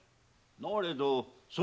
なれどその